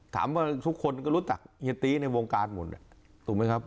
ถามว่าทุกคนก็รู้จักเฮียตีในวงการหมดถูกไหมครับ